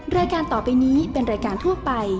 รายการต่อไปนี้เป็นรายการทั่วไป